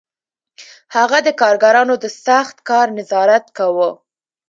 هغه د کارګرانو د سخت کار نظارت کاوه